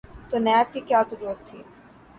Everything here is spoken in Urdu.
تو نیب کی کیا ضرورت تھی؟